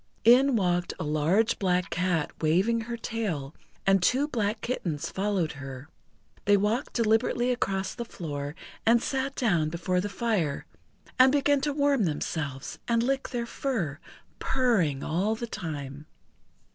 In walked a large Black Cat waving her tail, and two black kittens followed her. They walked deliberately across the floor, and sat down before the fire, and began to warm themselves and lick their fur, purring all the time.